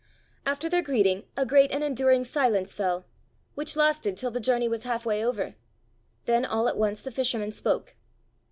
After their greeting a great and enduring silence fell, which lasted till the journey was half way over; then all at once the fisherman spoke.